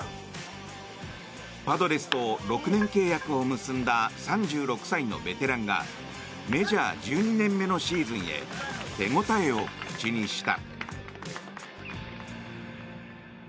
パドレスと６年契約を結んだ３６歳のベテランがメジャー１２年目のシーズンへ手応えを口にした。